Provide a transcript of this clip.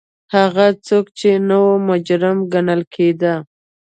هغه څوک چې نه و مجرم ګڼل کېده.